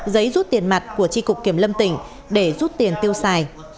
giấy rút tiền mặt của tri cục kiểm lâm tỉnh để rút tiền tiêu xài